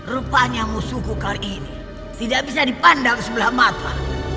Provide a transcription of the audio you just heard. rupanya musuh kukar ini tidak bisa dipandang sebelah mata